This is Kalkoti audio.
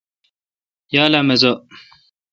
یال اؘ مزہ۔